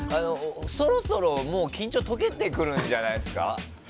そろそろ緊張解けてくるんじゃないですか？